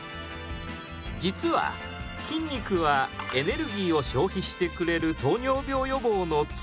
実は筋肉はエネルギーを消費してくれる糖尿病予防の強い味方。